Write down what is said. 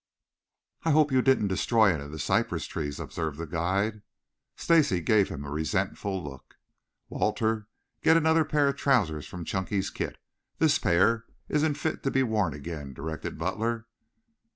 "I hope you didn't destroy any of the cypress trees," observed the guide. Stacy gave him a resentful look. "Walter, get another pair of trousers from Chunky's kit. This pair isn't fit to be worn again," directed Butler.